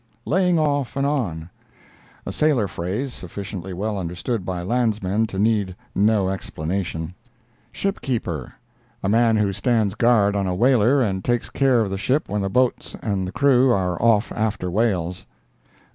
"Laying off and on"—A sailor phrase, sufficiently well understood by landsmen to need no explanation. "Ship keeper"—A man who stands guard on a whaler and takes care of the ship when the boats and the crew are off after whales.